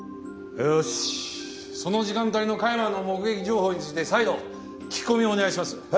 よしその時間帯の加山の目撃情報について再度聞き込みをお願いします。